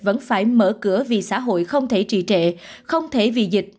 vẫn phải mở cửa vì xã hội không thể trị trệ không thể vì dịch